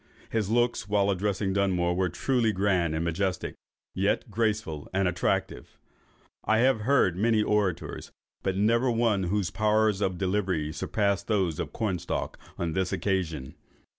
His looks, while addressing Dunmore, were truly grand and majestic, yet graceful and attractive. I have heard many celebrated orators, but never one whose powers of delivery surpassed those of Cornstalk on this occasion."